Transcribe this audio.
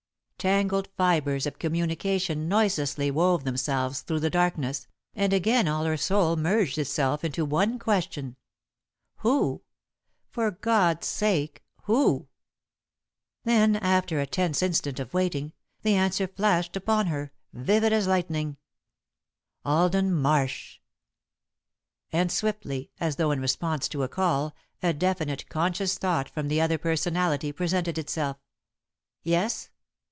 Tangled fibres of communication noiselessly wove themselves through the darkness, and again all her soul merged itself into one question "Who? For God's sake, who?" [Sidenote: The Answer] Then, after a tense instant of waiting, the answer flashed upon her, vivid as lightning: "Alden Marsh!" And swiftly, as though in response to a call, a definite, conscious thought from the other personality presented itself: "Yes?